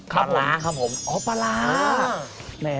ปลาร้าครับผมอ๋อปลาร้า